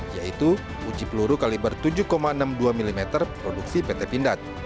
yaitu uji peluru kaliber tujuh enam puluh dua mm produksi pt pindad